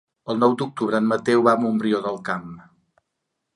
El nou d'octubre en Mateu va a Montbrió del Camp.